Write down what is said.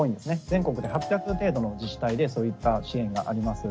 全国で８００程度の自治体でそういった支援があります。